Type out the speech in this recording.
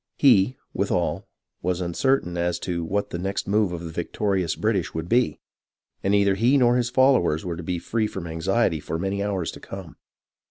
He, with all, was uncertain as to what the next move of the victorious British would be, and neither he nor his fol lowers were to be free from anxiety for many hours to come.